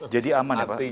jadi aman ya pak